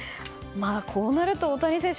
こうなると、大谷選手